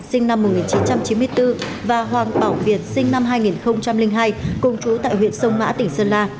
sinh năm một nghìn chín trăm chín mươi bốn và hoàng bảo việt sinh năm hai nghìn hai cùng chú tại huyện sông mã tỉnh sơn la